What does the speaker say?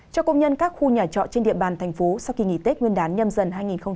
cho công nhân các khu nhà trọ trên địa bàn thành phố sau kỳ nghỉ tết nguyên đán nhâm dần hai nghìn hai mươi bốn